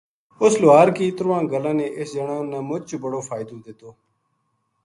اُس لوہار کی ترواں گلاں نے اِس جنا نا مچ بڑو فائدو دیتو